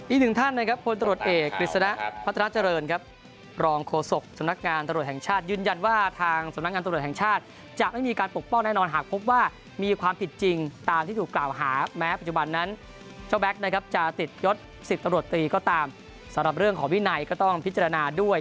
อีกหนึ่งท่านนะครับพลตรวจเอกกฤษณะพัฒนาเจริญครับรองโฆษกสำนักงานตำรวจแห่งชาติยืนยันว่าทางสำนักงานตรวจแห่งชาติจะไม่มีการปกป้องแน่นอนหากพบว่ามีความผิดจริงตามที่ถูกกล่าวหาแม้ปัจจุบันนั้นเจ้าแบ็คนะครับจะติดยศ๑๐ตำรวจตรีก็ตามสำหรับเรื่องของวินัยก็ต้องพิจารณาด้วย